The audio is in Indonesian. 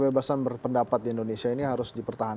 kebebasan berpendapat di indonesia ini harus dipertahankan